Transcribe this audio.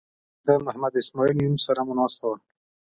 د محمد اسماعیل یون سره مو ناسته وه.